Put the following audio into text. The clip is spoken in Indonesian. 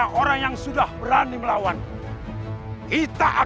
benar orang menyaut perduta quantitas mereka weather twp